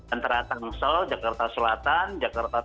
antara tangsel jakarta selatan jakarta timur